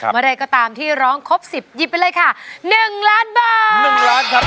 มาเลยก็ตามที่ร้องครบ๑๐ยิบไปเลยค่ะ๑ล้านบาท